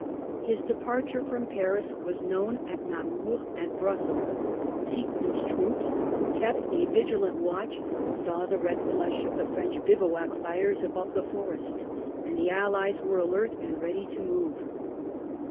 His depar ture from Paris was known at Namur and Brussels. Ziethen's troopers, who kept a vigilant watch, saw the red flush of the French bivouac fires above the forest ; and the Allies were alert and ready to move.